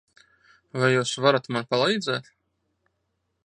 Vai jūs varat man palīdzēt?